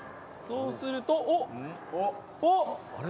そうするとおっおっ！